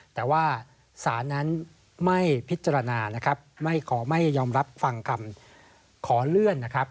แต่ว่าศาลนั้นไม่พิจารณานะครับไม่ขอไม่ยอมรับฟังคำขอเลื่อนนะครับ